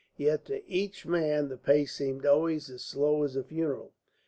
Yet to each man the pace seemed always as slow as a funeral.